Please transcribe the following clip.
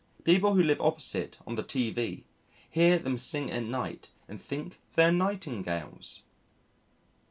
People who live opposite on the T V hear them sing at night and think they are Nightingales!